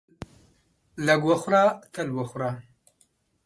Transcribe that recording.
لږ وخوره تل وخوره.